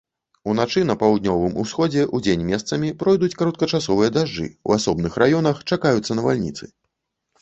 Уначы на паўднёвым усходзе, удзень месцамі пройдуць кароткачасовыя дажджы, у асобных раёнах чакаюцца навальніцы.